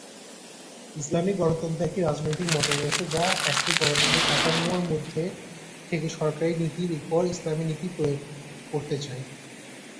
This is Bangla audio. ইসলামী গণতন্ত্র একটি রাজনৈতিক মতাদর্শ যা একটি গণতান্ত্রিক কাঠামোর মধ্যে থেকে সরকারী নীতির উপর ইসলামী নীতি প্রয়োগ করতে চায়।